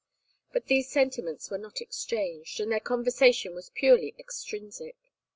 But these sentiments were not exchanged, and their conversation was purely extrinsic.